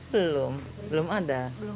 belum belum ada